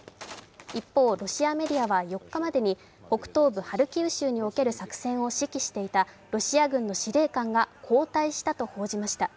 一方、ロシアメディアは４日までに北東部ハルキウ州における作戦を指揮していたロシア軍の司令官が交代したと報じました。